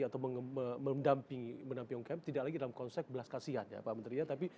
atau mendampingi mendampingkan tidak lagi dalam konsep belas kasihan ya pak menteri ya tapi